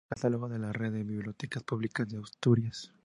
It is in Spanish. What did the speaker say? Acceso al Catálogo a la red de bibliotecas públicas de Asturias.